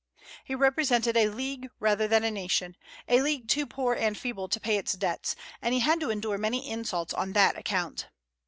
He represented a league rather than a nation, a league too poor and feeble to pay its debts, and he had to endure many insults on that account.